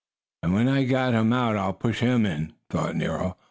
"And when I get out I'll push him in," thought Nero.